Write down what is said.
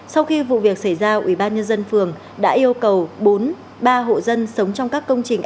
sau khi vụ việc xảy ra ủy ban nhân dân phường đã yêu cầu bốn ba hộ dân sống trong các công trình